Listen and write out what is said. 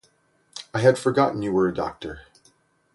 I had forgotten you were a doctor.